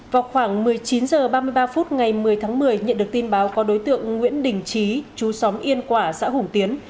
vào khoảng một mươi chín h ba mươi ba phút ngày một mươi tháng một mươi nhận được tin báo có đối tượng nguyễn đình trí chú xóm yên quả xã hùng tiến